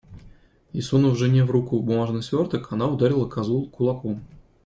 И, сунув Жене в руку бумажный сверток, она ударила козу кулаком.